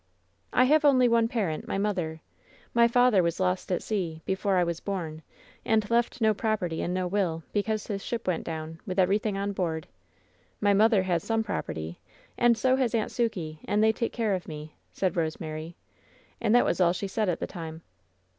"I have only one parent — my mother. My father was lost at sea, before I was bom, and left no property and no will, because his ship went down, with everything on board. My mother has some property, and so has Aunt Sukey, and they take care of me," said Rosemary; and that was all she said at the time.